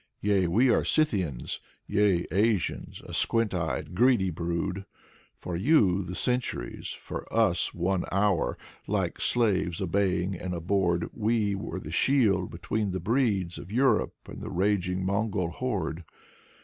Yea, we are Scythians, Yea, Asians, a squint eyed, greedy brood. For you : the centuries ; for us ; one hour. Like slaves, obeying and abhorred. We were the shield between the breeds Of Europe and the raging Mongol horde.